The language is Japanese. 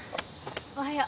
おはよう。